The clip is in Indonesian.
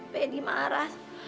pak edi marah